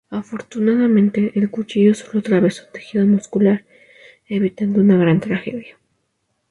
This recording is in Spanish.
Afortunadamente, el cuchillo solo atravesó tejido muscular, evitando una gran tragedia.